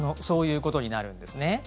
そういうことになるんですね。